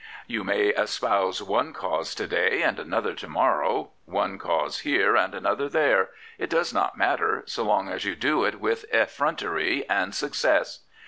You may espouse one cause to day and another to morrow, one cause here and another there: it does not matter so long as you do it with effrontery and success.